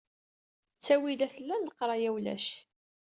Ttawilat llan, leqraya ulac.